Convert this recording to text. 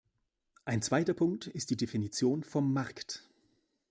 Ein zweiter Punkt ist die Definition vom Markt.